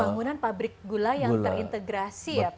bangunan pabrik gula yang terintegrasi ya pak